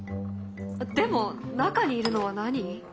でも中にいるのは何？